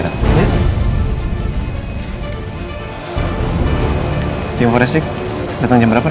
hai d diam shock daftarnya berapa